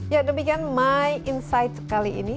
ya demikian my insight kali ini